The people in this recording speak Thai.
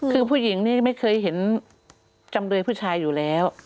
คือผู้หญิงนี่ไม่เคยเห็นจำเลยผู้ชายอยู่แล้ว